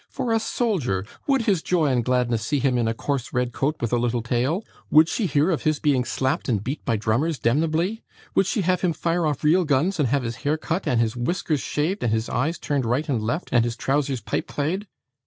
'For a soldier! Would his joy and gladness see him in a coarse red coat with a little tail? Would she hear of his being slapped and beat by drummers demnebly? Would she have him fire off real guns, and have his hair cut, and his whiskers shaved, and his eyes turned right and left, and his trousers pipeclayed?